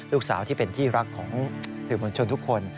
ลูกสาวที่เป็นที่รักของสื่อมวลชนทุกคน